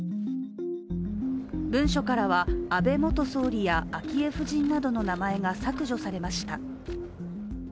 文書からは安倍元総理や昭恵夫人などの名前が削除されました。